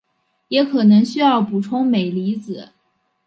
也可能需要补充镁离子。